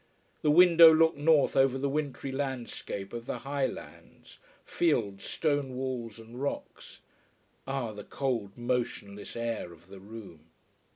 The window looked north over the wintry landscape of the highlands, fields, stone walls, and rocks. Ah, the cold, motionless air of the room.